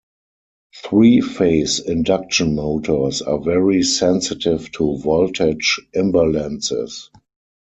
Three-phase induction motors are very sensitive to voltage imbalances.